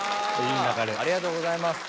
ありがとうございます。